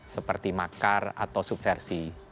seperti makar atau subversi